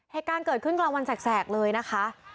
เหตุการณ์เกิดขึ้นกลางวันแสกเลยนะคะ